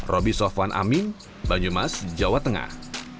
roby sofwan amin banyumas jawa tengah